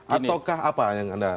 ataukah apa yang anda